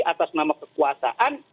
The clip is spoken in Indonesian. atas nama kekuasaan